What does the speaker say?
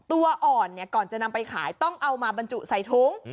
ตัวอ่อนก่อนจะนำไปขายต้องเอามาบรรจุใส่ถุง